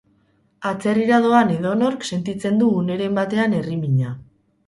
Atzerrira doan edonork sentitzen du uneren batean herrimina.